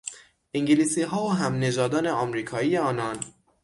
انگلیسیها و همنژادان امریکایی آنان